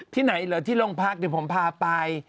ที่ไหนเหรอที่โรงพักเดี๋ยวผมพาไป